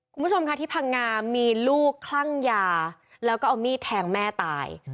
คุณผู้ชมค่ะที่พังงามีลูกคลั่งยาแล้วก็เอามีดแทงแม่ตาย